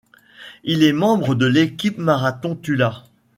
Il est membre de l'équipe Marathon-Tula.